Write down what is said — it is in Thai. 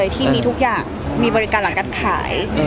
ที่มีทุกอย่างมีบริการหลังการขาย